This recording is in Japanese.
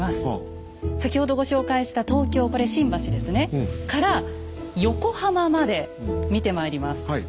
先ほどご紹介した東京これ新橋ですねから横浜まで見てまいります。